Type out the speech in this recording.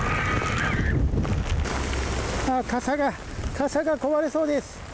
傘が壊れそうです。